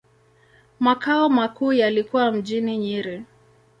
Makao makuu yalikuwa mjini Nyeri.